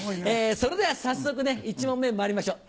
それでは早速ね、１問目にまいりましょう。